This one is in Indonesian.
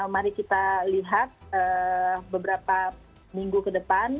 mari kita lihat beberapa minggu ke depan